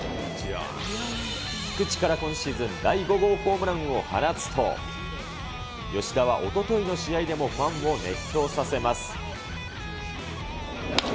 菊池から今シーズン第５号ホームランを放つと、吉田はおとといの試合でもファンを熱狂させます。